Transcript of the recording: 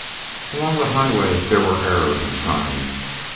Along the highway there were arrows and signs.